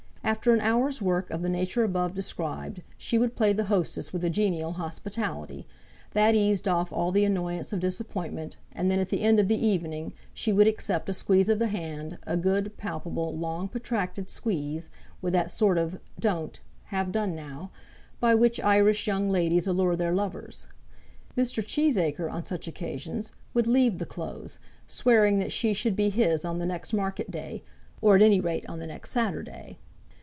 After an hour's work of the nature above described she would play the hostess with a genial hospitality, that eased off all the annoyance of disappointment; and then at the end of the evening, she would accept a squeeze of the hand, a good, palpable, long protracted squeeze, with that sort of "don't; have done now," by which Irish young ladies allure their lovers. Mr. Cheesacre, on such occasions, would leave the Close, swearing that she should be his on the next market day, or at any rate, on the next Saturday.